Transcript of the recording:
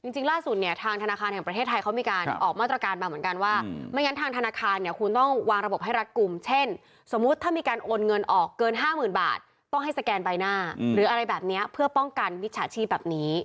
จริงล่าสุดเนี่ยทางธนาคารแห่งประเทศไทยเขามีการออกมาตรการมาเหมือนกันว่าไม่งั้นทางธนาคารเนี่ยคุณต้องวางระบบให้รัฐกลุ่มเช่นสมมุติถ้ามีการโอนเงินออกเกิน๕๐๐๐บาทต้องให้สแกนใบหน้าหรืออะไรแบบนี้เพื่อป้องกันมิจฉาชีพแบบนี้